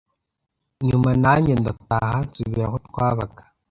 nyuma nanjye ndataha, nsubira aho twabaga.